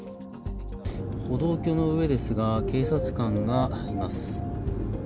歩道橋の上ですが警察官がいます。